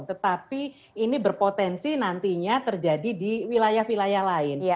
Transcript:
tetapi ini berpotensi nantinya terjadi di wilayah wilayah lain